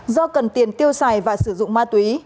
do cần tiền tiêu xài và sử dụng ma túy quý tùng tuấn và tài đã